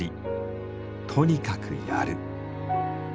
とにかくやる。